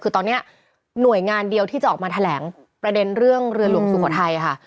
คือตอนนี้หน่วยงานเดียวที่จะออกมาแถลงประเด็นเรื่องเรือหลวงสุโขทัยค่ะ